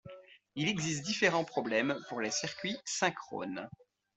Il existe différents problèmes pour les circuits synchrones.